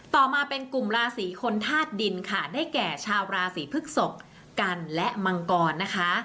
ต่อมาเป็นกลุ่มราศีคนธาตุดินค่ะได้แก่ชาวราศีพฤกษกกันและมังกรนะคะ